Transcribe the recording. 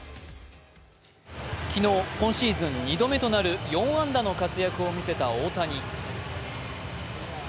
昨日、今シーズン２度目となる４安打の活躍を見せた大谷。